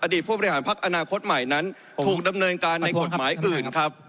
ผู้บริหารพักอนาคตใหม่นั้นถูกดำเนินการในกฎหมายอื่นครับ